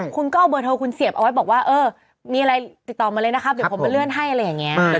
คุณก็เอาเบอร์โทรคุณเสียบเอาไว้บอกว่าเออมีอะไรติดต่อมาเลยนะครับเดี๋ยวผมมาเลื่อนให้อะไรอย่างนี้